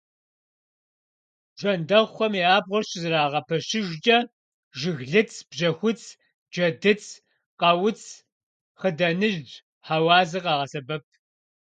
Бжэндэхъухэм я абгъуэр щызэрагъэпэщыжкӀэ жыглыц, бжьэхуц, джэдыц, къауц, хъыданыжь, хьэуазэ къагъэсэбэп.